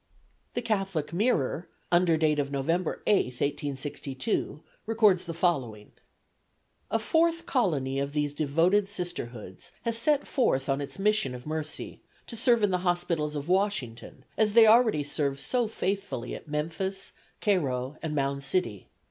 The Catholic Mirror, under date of November 8, 1862, records the following: "A fourth colony of these devoted Sisterhoods has set forth on its mission of mercy, to serve in the hospitals of Washington, as they already serve so faithfully at Memphis, Cairo and Mound City.